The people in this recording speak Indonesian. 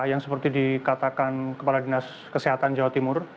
yang seperti dikatakan kepala dinas kesehatan jawa timur